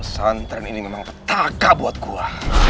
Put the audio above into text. santer ini memang petaka buat gua